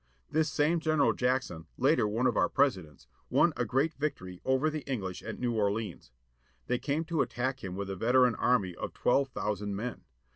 This same General Jackson, later one of our Presidents, won a great victory over the EngHsh at New Orleans. They came to attack him with a veteran army of twelve thousand men.